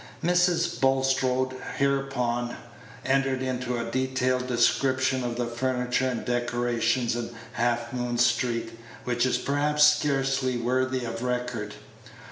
Mrs. Bulstrode hereupon entered into a detailed description of the furniture and decorations in Half Moon street, which is perhaps scarcely worthy of record.